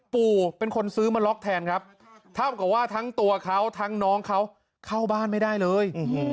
ปู่เป็นคนซื้อมาล็อกแทนครับเท่ากับว่าทั้งตัวเขาทั้งน้องเขาเข้าบ้านไม่ได้เลย